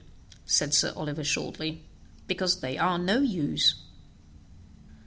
said Sir Oliver shortly, "because they are no use."